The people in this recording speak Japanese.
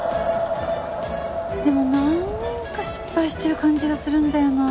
でもなんか失敗してる感じがするんだよなあ。